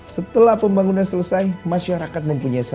setelah pembangunan selesai masyarakat mempunyai